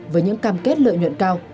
với những cam kết lợi nhuận cao